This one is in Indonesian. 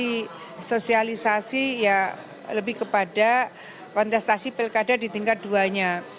jadi sosialisasi ya lebih kepada kontestasi pilkada di tingkat dua nya